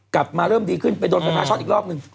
กลับมาเริ่มดีขึ้นไปโดนไฟฟ้าช็อตอีกรอบหนึ่ง